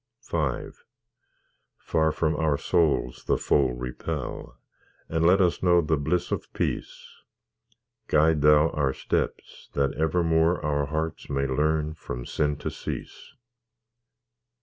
V Far from our souls the foe repel, And let us know the bliss of peace; Guide Thou our steps, that evermore Our hearts may learn from sin to cease.